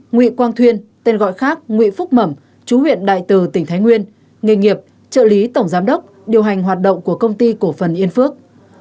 nguyễn quang thuyên tên gọi khác nguyễn phúc mẩm chú huyện đại từ tỉnh thái nguyên nghề nghiệp trợ lý tổng giám đốc điều hành hoạt động của công ty cổ phần yên phước